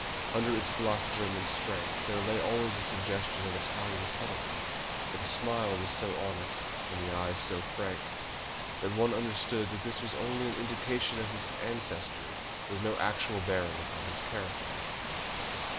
Under its bluff German strength there lay always a suggestion of Italian subtlety, but the smile was so honest, and the eyes so frank, that one understood that this was only an indication of his ancestry, with no actual bearing upon his character.